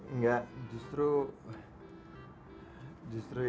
engga justru ini yang